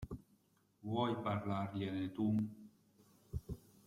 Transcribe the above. Vuoi parlargliene tu?